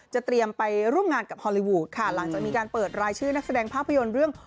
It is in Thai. เตรียมไปร่วมงานกับฮอลลีวูดค่ะหลังจากมีการเปิดรายชื่อนักแสดงภาพยนตร์เรื่อง